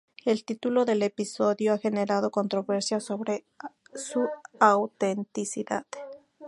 El título del episodio ha generado controversia sobre su autenticidad.